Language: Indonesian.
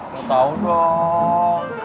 mau tau dong